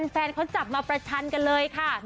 แฟนคลับเขาจับมาประชันกันเลยค่ะ